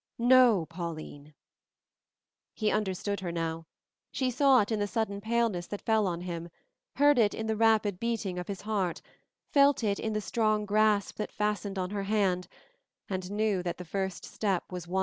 "No, Pauline." He understood her now. She saw it in the sudden paleness that fell on him, heard it in the rapid beating of his heart, felt it in the strong grasp that fastened on her hand, and knew that the first step was won.